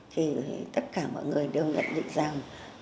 thì tất cả mọi người đều nhận định rằng